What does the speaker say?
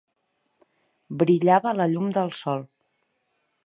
Brillava a la llum del sol.